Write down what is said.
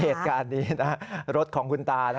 เหตุการณ์นี้นะรถของคุณตานะ